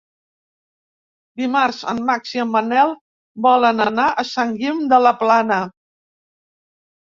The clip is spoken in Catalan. Dimarts en Max i en Manel volen anar a Sant Guim de la Plana.